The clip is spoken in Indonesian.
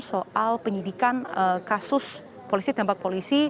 soal penyidikan kasus polisi tembak polisi